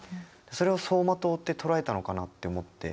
それを走馬灯って捉えたのかなって思って。